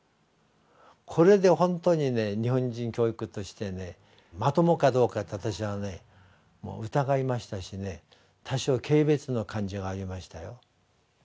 これでほんとに日本人教育としてまともかどうかって私はね疑いましたしね多少軽蔑の感情がありましたよ。